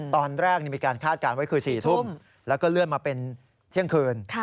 ตอนแรกมีการคาดการณ์ไว้คือ๔ทุ่มแล้วก็เลื่อนมาเป็นเที่ยงคืน